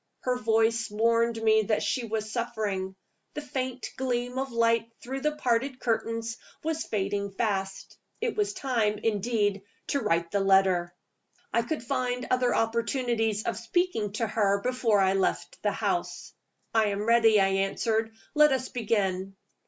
Her voice warned me that she was suffering. The faint gleam of light through the parted curtains was fading fast. It was time, indeed, to write the letter. I could find other opportunities of speaking to her before I left the house. "I am ready," I answered. "Let us begin."